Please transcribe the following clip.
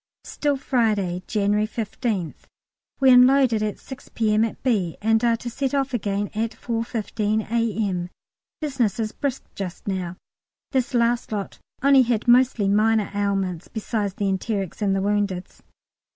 Still Friday, January 15th. We unloaded at 6 P.M. at B., and are to start off again at 4.15 A.M.; business is brisk just now; this last lot only had mostly minor ailments, besides the enterics and the woundeds.